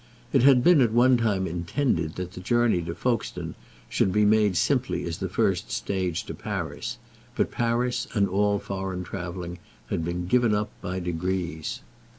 It had been at one time intended that the journey to Folkestone should be made simply as the first stage to Paris, but Paris and all foreign travelling had been given up by degrees.